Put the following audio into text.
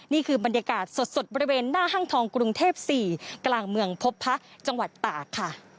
นี่คือบรรยากาศสดบริเวณหน้าห้างทองกรุงเทพ๔กลางเมืองพบพระจังหวัดตากค่ะ